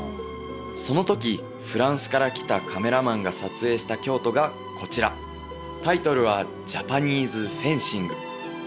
そのときフランスから来たカメラマンが撮影した京都がこちらタイトルは「ジャパニーズ・フェンシング」